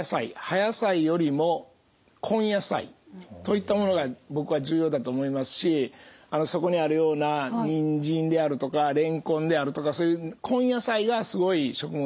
野菜よりも根野菜といったものが僕は重要だと思いますしそこにあるようなにんじんであるとかれんこんであるとか根野菜がすごい食物